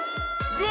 うわ！